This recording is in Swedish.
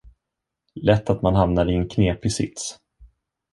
Lätt att man hamnar i en knepig sits!